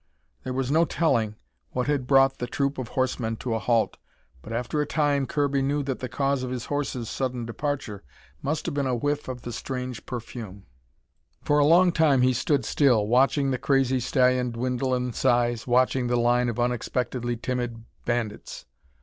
There was no telling what had brought the troop of horsemen to a halt, but after a time Kirby knew that the cause of his horse's sudden departure must have been a whiff of the strange perfume. For a long time he stood still, watching the crazy stallion dwindle in size, watching the line of unexpectedly timid bandits.